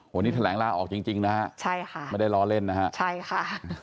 วันนี้แถลงล่าออกจริงนะฮะไม่ได้ล้อเล่นนะฮะใช่ค่ะ